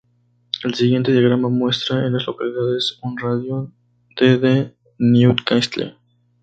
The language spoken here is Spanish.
El siguiente diagrama muestra a las localidades en un radio de de Newcastle.